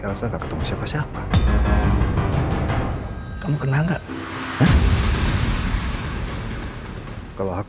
blah tempat pandemik